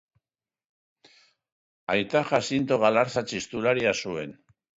Aita Jazinto Galarza txistularia zuen.